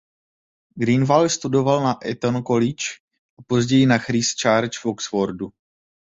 Grenville studoval na Eton College a později na Christ Church v Oxfordu.